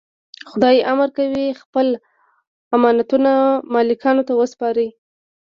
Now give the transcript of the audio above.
خدای امر کوي خپل امانتونه مالکانو ته وسپارئ.